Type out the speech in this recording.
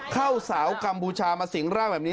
สาวกัมพูชามาสิงร่างแบบนี้